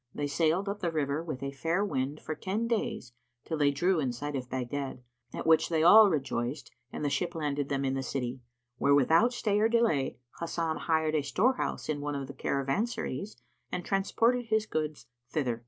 They sailed up the river with a fair wind for ten days till they drew in sight of Baghdad, at which they all rejoiced, and the ship landed them in the city, where without stay or delay Hasan hired a storehouse in one of the caravanserais and transported his goods thither.